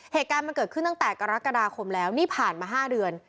เหตุการณ์มันเกิดขึ้นตั้งแต่กรกฎาคมแล้วนี่ผ่านมา๕เดือน